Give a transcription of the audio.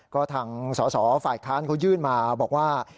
ก็ทางสอสอฝ่ายค้านเขายื่นมาบอกว่า